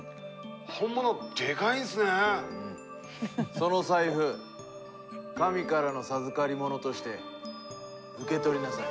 その財布神からの授かりものとして受け取りなさい。